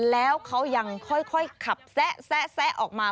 แล้วเขายังค่อยขับแซะออกมา